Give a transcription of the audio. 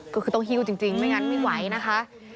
ก็คือต้องหิ้วจริงไม่งั้นไม่ไหวนะคะ